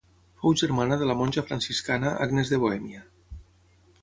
Fou germana de la monja franciscana Agnès de Bohèmia.